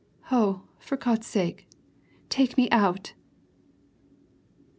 Oh, for God's sake, take me out!"